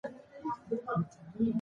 رسوب د افغان ماشومانو د لوبو موضوع ده.